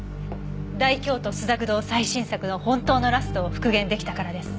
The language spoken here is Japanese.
『大京都朱雀堂』最新作の本当のラストを復元出来たからです。